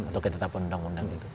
atau ketetapan undang undang